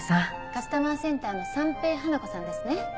カスタマーセンターの三瓶花子さんですね。